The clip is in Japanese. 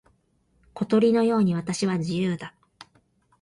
小鳥のように私は自由だ。